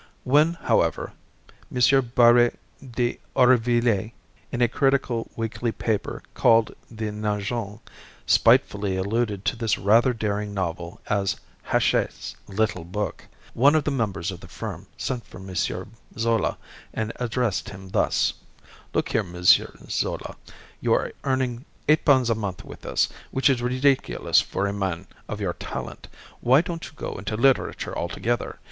When, however, M. Barbey d'Aurevilly, in a critical weekly paper called the "Nain Jaune," spitefully alluded to this rather daring novel as "Hachette's little book," one of the members of the firm sent for M. Zola, and addressed him thus: "Look here, M. Zola, you are earning eight pounds a month with us, which is ridiculous for a man of your talent. Why don't you go into literature altogether?